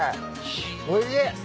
おいしい！